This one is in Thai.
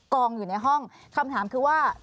กองอยู่ในห้องคำถามคือว่า